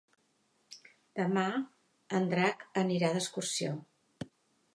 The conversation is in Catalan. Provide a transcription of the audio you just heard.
Demà en Drac anirà d'excursió.